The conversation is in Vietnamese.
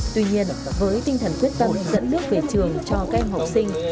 tuy nhiên với tinh thần quyết tâm dẫn nước về trường cho các em học sinh